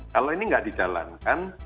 kalau ini nggak dijalankan